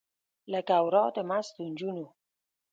لکه ورا د مستو نجونو